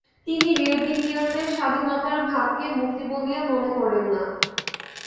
তিনি রেড ইণ্ডিয়ানদের স্বাধীনতার ভাবকে মুক্তি বলিয়া মনে করেন না।